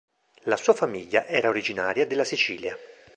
La sua famiglia era originaria della Sicilia.